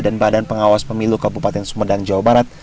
dan badan pengawas pemilu kabupaten sumedang jawa barat